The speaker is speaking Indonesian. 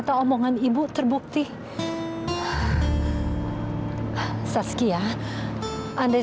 sampai jumpa di video selanjutnya